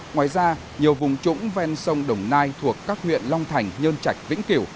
ngoài ra nhiều vùng trũng ven sông đồng nai thuộc các huyện long thành nhơn chạch vĩnh kiểu